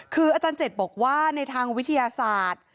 คืออาจารย์เจ็ดบอกว่าในทางวิทยาศาสตร์